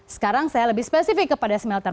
sekarang saya lebih spesifik kepada smelter